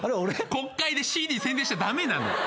国会でＣＤ宣伝しちゃ駄目なの。